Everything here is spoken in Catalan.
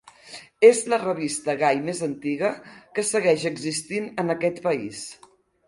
És la revista gai més antiga que segueix existint en aquest país.